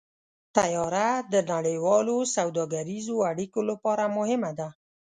طیاره د نړیوالو سوداګریزو اړیکو لپاره مهمه ده.